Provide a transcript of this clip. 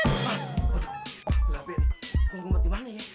aduh aduh aduh gampang nih kagum berat dimana ya